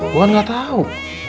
gue gak tahu